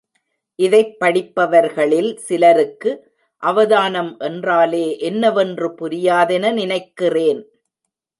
இதைப் படிப்பவர்களில் சிலருக்கு அவதானம் என்றாலே என்னவென்று புரியாதென நினைக்கிறேன்.